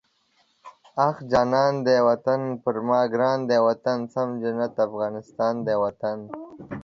اخ جانان دی وطن، پر ما ګران دی وطن، سم جنت افغانستان دی وطن